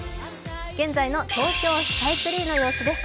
現在の東京スカイツリーの様子です。